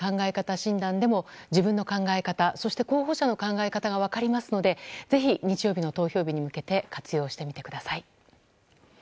診断でも自分の考え方そして候補者の考え方が分かりますのでぜひ、日曜日の投票日に向けて活用してみてください。